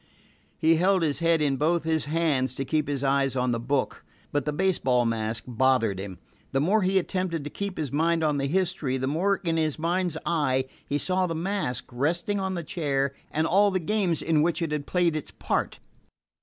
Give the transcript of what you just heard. He held his head in both his hands to keep his eyes on the book. But the baseball mask bothered him. The more he attempted to keep his mind on the history the more in his mind's eye he saw the mask resting on the chair and all the games in which it had played its part.